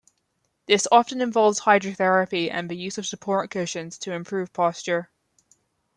This often involves hydrotherapy and the use of support cushions to improve posture.